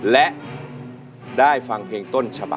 แบบนี้เลยอ่ะ